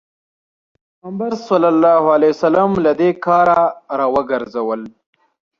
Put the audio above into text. پيغمبر ص له دې کاره راوګرځول.